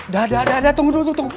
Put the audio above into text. dada dada tunggu dulu tunggu